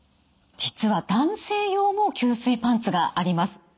実は男性用も吸水パンツがあります。